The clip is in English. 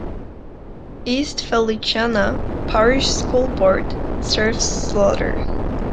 East Feliciana Parish School Board serves Slaughter.